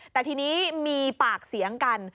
แต่ทีนี้มีปากเสียงกัน